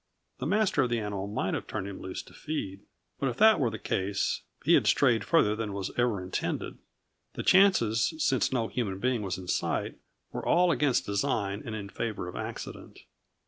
The master of the animal might have turned him loose to feed, but if that were the case, he had strayed farther than was ever intended; the chances, since no human being was in sight, were all against design and in favor of accident.